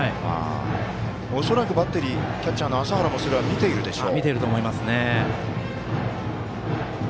恐らくバッテリーキャッチャーの麻原もそれは見ているでしょう。